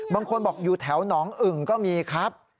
บางคนบอกอยู่แถวหนองอึ่งก็มีครับ